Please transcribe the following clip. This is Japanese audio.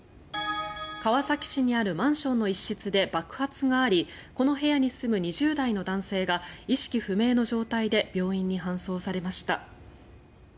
川崎市にあるマンションの一室で爆発がありこの部屋に住む２０代の男性が意識不明の状態で病院に搬送されました。